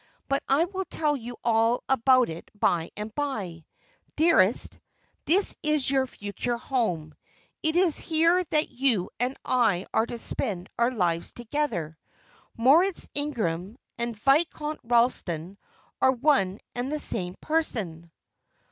But I will tell you all about it by and by. Dearest, this is your future home. It is here that you and I are to spend our lives together. Moritz Ingram and Viscount Ralston are one and the same person."